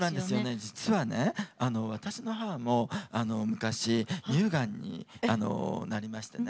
実はね、私の母も昔、乳がんになりましてね